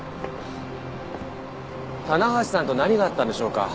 棚橋さんと何があったんでしょうか？